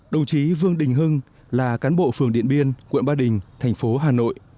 đồng chí vương đình hưng là cán bộ phường điện biên quận ba đình thành phố hà nội